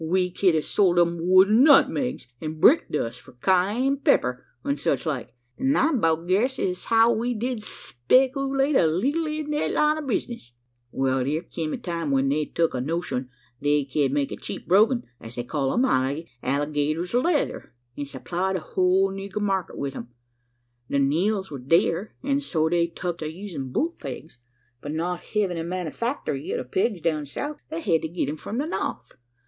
We ked a sold 'em wooden nutmegs, an' brick dust for Cayenne pepper, an' such like; an' I 'bout guess es how we did spekoolate a leetle in thet line o' bizness. Wall, there kim a time when they tuk a notion they ked make cheep brogan, as they call 'em, out o' allygator's leather, an' supply the hul nigger market wi' 'em. The neels were dear, an' so they tuk to usin' boot pegs; but not hevin' a manafactry o' the pegs down south, they hed to git 'em from the no'th.